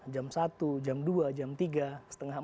jam satu jam dua jam tiga setengah empat